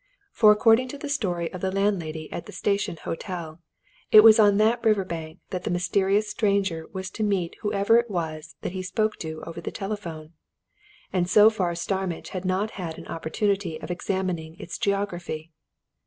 For according to the story of the landlady of the Station Hotel, it was on that river bank that the mysterious stranger was to meet whoever it was that he spoke to over the telephone, and so far Starmidge had not had an opportunity of examining its geography.